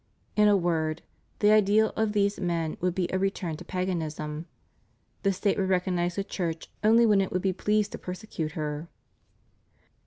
... In a word: the ideal of these men would be a re turn to paganism: the State would recognize the Church only when it would be pleased to persecute her.